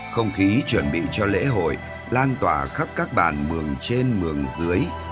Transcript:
không khí chuẩn bị cho lễ hội lan tỏa khắp các bàn mường trên mường dưới